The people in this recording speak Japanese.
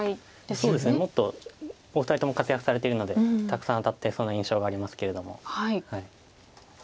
そうですねもっとお二人とも活躍されているのでたくさん当たっていそうな印象がありますけれども。